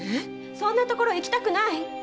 そんな所行きたくない！